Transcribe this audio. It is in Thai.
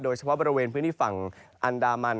โดยเฉพาะบริเวณพื้นที่ฝั่งอันดามัน